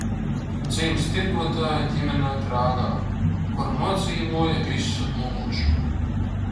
Dzimis tirgotāja ģimenē Prāgā, kur nodzīvoja visu mūžu.